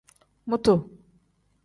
Mutu.